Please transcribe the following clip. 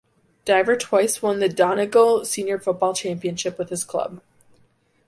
Diver twice won the Donegal Senior Football Championship with his club.